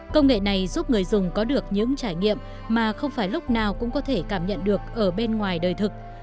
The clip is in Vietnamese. công nghệ này giúp người dùng có được những trải nghiệm mà không phải lúc nào cũng có thể cảm nhận được ở bên ngoài đời thực